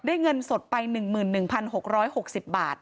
ได้เงินสดไปหนึ่งหมื่นหนึ่งพันหกร้อยหกสิบบาท